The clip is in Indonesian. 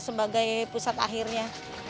sebagai pusat akhirnya